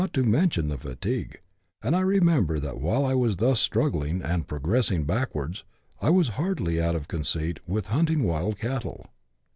99 to mention the fatigue ; and I remember that while I was thus struggling and " progressing backwards," I was heartily out of conceit with hunting wild cattle.